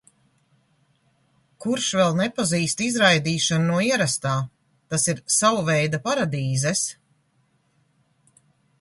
Kurš vēl nepazīst izraidīšanu no ierastā, tas ir – savveida paradīzes.